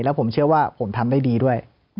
แล้วผมเชื่อว่าผมทำได้ดีด้วย